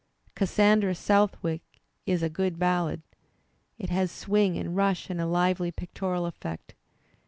"Cassandra Southwick" is a good ballad; it has swing and rush and a lively pictorial effect.